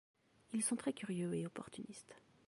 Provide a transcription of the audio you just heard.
Ils sont très curieux et opportunistes.